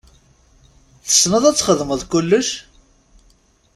Tessneḍ ad txedmeḍ kullec?